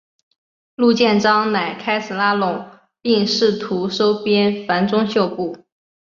陆建章乃开始拉拢并试图收编樊钟秀部。